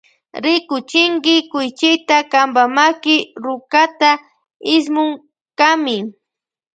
Rikuchinki kuychita kampa maki rukata ismunkami.